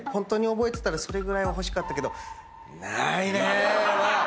覚えてたらそれぐらいは欲しかったけど。